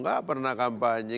gak pernah kampanye